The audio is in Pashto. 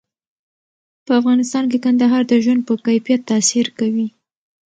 په افغانستان کې کندهار د ژوند په کیفیت تاثیر کوي.